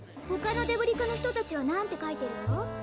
ほかのデブリ課の人たちはなんて書いてるの？